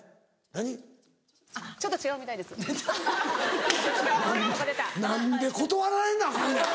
何で何で断られなアカンねん！